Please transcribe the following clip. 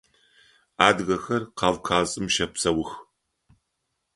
Адыгэхэр Кавказым щэпсэух.